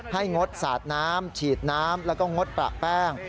งดสาดน้ำฉีดน้ำแล้วก็งดประแป้ง